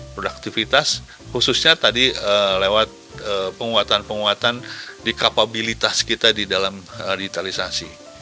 produktivitas khususnya tadi lewat penguatan penguatan di kapabilitas kita di dalam digitalisasi